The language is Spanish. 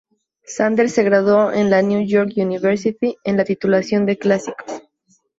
Sanders de graduó en la New York University en la titulación de Clásicos.